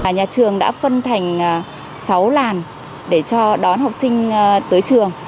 nhà trường đã phân thành sáu làn để cho đón học sinh tới trường